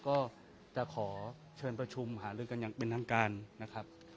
ก็จะขอเชิญประชุมหาลือกันอย่างเป็นทางการนะครับ